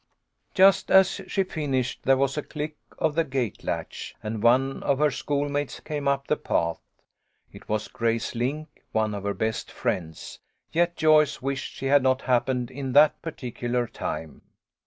Just as she finished there was a click of the gate latch, and one of her schoolmates came up the path. It was Grace Link, one of her best friends, yet Joyce wished she had not happened in at that particular time.